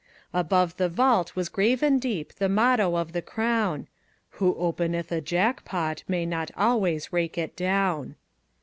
Above the vault was graven deep the motto of the crown: "Who openeth a jackpot may not always rake it down."